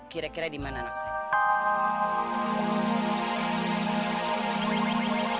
kira kira di mana anak saya